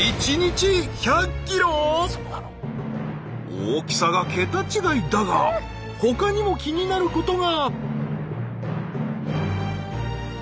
大きさが桁違いだがほかにも気になることが。